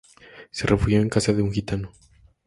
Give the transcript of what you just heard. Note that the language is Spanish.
Se refugió en casa de un gitano.